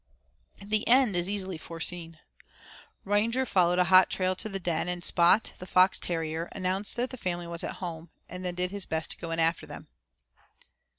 The end is easily foreseen. Ranger followed a hot trail to the den, and Spot, the fox terrier, announced that the family was at home, and then did his best to go in after them.